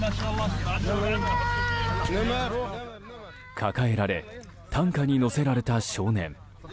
抱えられ担架に乗せられた少年。